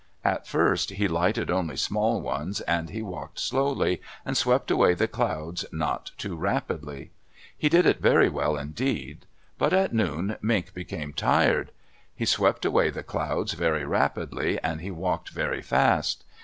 At first he lighted only small ones, and he walked slowly, and swept away the clouds not too rapidly. He did it very well indeed. But at noon Mink became tired. He swept away the clouds very rapidly, and he walked very fast.